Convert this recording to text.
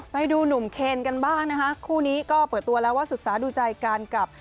ไปดูหนุ่มเคนกันบ้างนะคะคู่นี้ก็เปิดตัวแล้วว่าศึกษาดูใจกันกับ